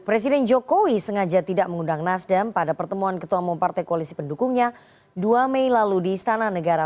presiden jokowi sengaja tidak mengundang nasdem pada pertemuan ketua umum partai koalisi pendukungnya dua mei lalu di istana negara